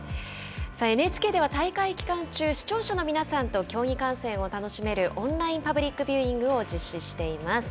ＮＨＫでは大会期間中視聴者の皆さんと競技観戦を楽しめるオンラインパブリックビューイングを実施しています。